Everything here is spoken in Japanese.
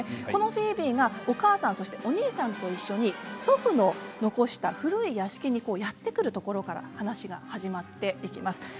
このフィービーがお母さんそしてお兄さんと一緒に祖父が残した古い屋敷にやって来るところから話が始まっていきます。